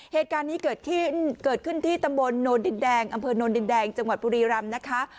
เหตุการณ์นี้เกิดขึ้นที่ตำบลอำเภอนนท์ดินแดงจังหวัดปุรีรัมนะคะ